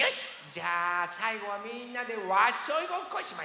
じゃあさいごはみんなでワッショイごっこしましょう。